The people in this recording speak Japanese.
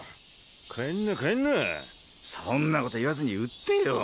帰んな帰んなそんなこと言わずに売ってよ・